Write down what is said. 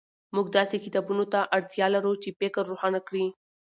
موږ داسې کتابونو ته اړتیا لرو چې فکر روښانه کړي.